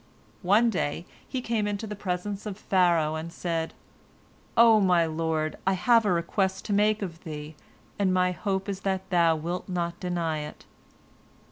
One day he came into the presence of Pharaoh, and said: "O my lord, I have a request to make of thee, and my hope is that thou wilt not deny it."